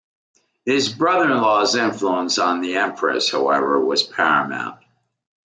His brother-in-law's influence on the Empress, however, was paramount.